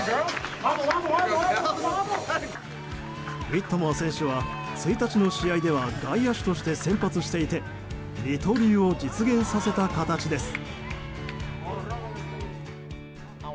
ウィットモア選手は１日の試合では外野手として先発していて二刀流を実現させた形です。